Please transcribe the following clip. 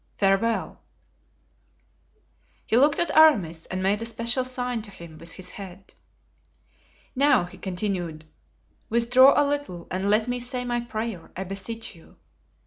Farewell." He looked at Aramis and made a special sign to him with his head. "Now," he continued, "withdraw a little and let me say my prayer, I beseech you.